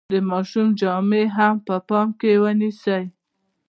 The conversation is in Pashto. د ماشوم جامې هم په پام کې ونیسئ.